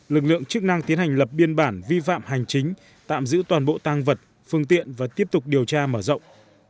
lực lượng chức năng tiến hành lập biên bản vi phạm hành chính tạm giữ toàn bộ tăng vật phương tiện và tiếp tục điều tra mở rộng